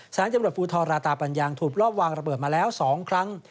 สถานที่จังหวัดภูทรราตาปัญญังถูกรอบวางระเบิดมาแล้วสองครั้ง